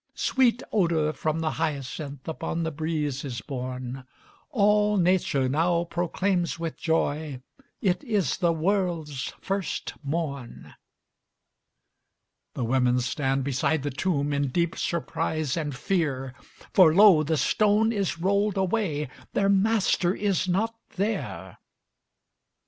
Sweet odor from the hyacinth Upon the breeze is borne; All nature now proclaims with joy, "It is the world's first morn!" The women stand beside the tomb In deep surprise and fear; For lo! the stone is rolled away Their Master is not there.